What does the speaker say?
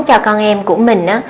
cho con em của mình á